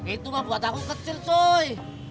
itu mah buat aku kecil cuy